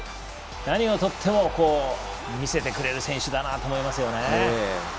何をとっても見せてくれる選手だなと思います。